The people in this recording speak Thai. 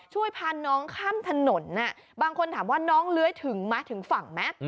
ช่วยพาน้องข้ามถนนบางคนถามว่าน้องเลื้อยถึงไหมถึงฝั่งไหม